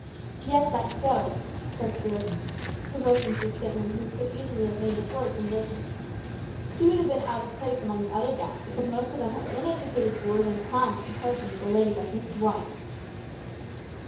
" Yes, that's so," said Stuart, provoked into a statement he could easily have made before his conversion. " She would have been out of place among your other guests, because most of them are uneducated boors and clowns in comparison with a lady like Miss D wight !